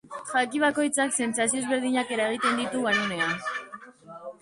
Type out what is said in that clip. Jaki bakoitzak sentsazio ezberdinak eragiten ditu garunean.